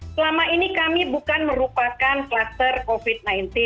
selama ini kami bukan merupakan kluster covid sembilan belas